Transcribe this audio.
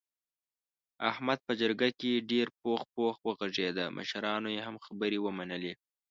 احمد په جرګه کې ډېر پوخ پوخ و غږېدا مشرانو یې هم خبرې ومنلې.